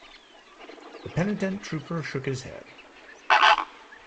The penitent trooper shook his head.